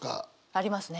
ありますね。